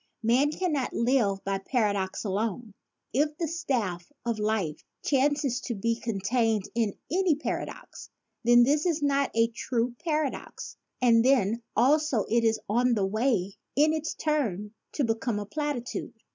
Man cannot live by para dox alone. If the staff of life chances to be contained in any paradox, then this is not a true paradox and then also it is on the way in its turn to become a platitude.